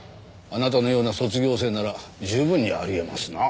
あなたのような卒業生なら十分にあり得ますな。